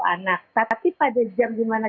anak tapi pada jam dimana